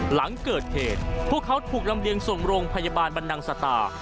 หลังเกิดเหตุพวกเขาถูกลำเลียงส่งโรงพยาบาลบรรนังสตา